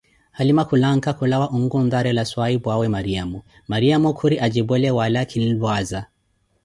Halima khulanka khulawa onkontarela swahiphu'awe Mariamo, Mariamo khuri atjipwele wala kinlwaza